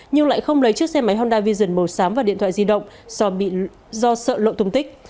nhưng lại không lấy chiếc xe máy honda vision màu xám và điện thoại di động do sợ lộ thùng tích